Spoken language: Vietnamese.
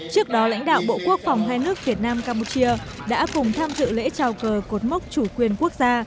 trước đó lãnh đạo bộ quốc phòng hai nước việt nam campuchia đã cùng tham dự lễ trào cờ cột mốc chủ quyền quốc gia